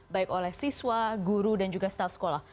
baik oleh siswa guru dan juga staf sekolah